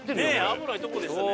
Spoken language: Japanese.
危ないとこでしたね。